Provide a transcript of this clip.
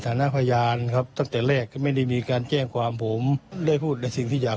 ทำไมตอนแรกไม่ได้ออกมาให้ข้อมูลแบบนี้